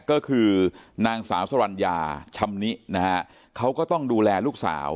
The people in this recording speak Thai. ก็คือนางสาวสรรญาชำนินะฮะเขาก็ต้องดูแลลูกสาว